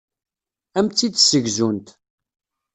Ad am-tt-id-ssegzunt.